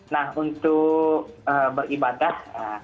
nah untuk beribadah